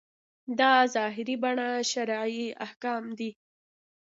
دا ظاهري بڼه شرعي احکام دي.